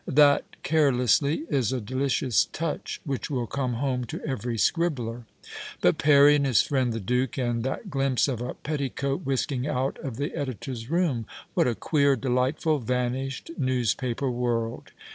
That " carelessly " is a delicious touch, which will come home to every scribbler. But Perry and his friend the Duke and that glimpse of a petticoat whisking out of the editors room ! What a queer, delightful, vanished newspaper world